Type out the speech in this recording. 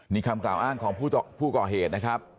นี่คำกล่องงานของผู้เกราะเหสครับ